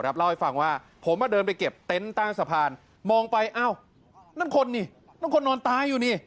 เล่าให้ฟังว่าผมเดินไปเก็บเต็นต์ใต้สะพานมองไปอ้าวนั่นคนนี่นั่นคนนอนตายอยู่นี่